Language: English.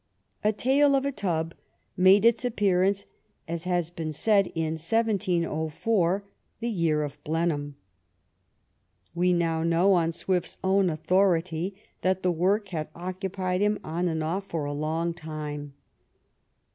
A Tale of a Tub made its appearance, as has been said, in 1704, the year of Blenheim. We now know, on Swift's own authority, that the work had occupied him off and on for a long time.